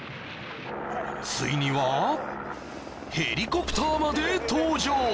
ついにはヘリコプターまで登場